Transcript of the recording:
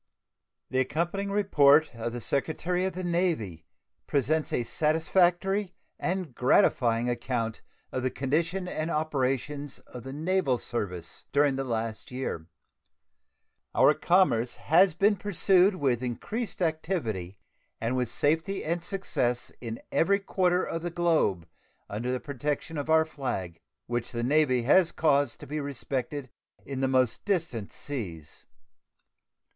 The accompanying report of the Secretary of the Navy presents a satisfactory and gratifying account of the condition and operations of the naval service during the past year. Our commerce has been pursued with increased activity and with safety and success in every quarter of the globe under the protection of our flag, which the Navy has caused to be respected in the most distant seas.